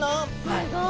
すごい！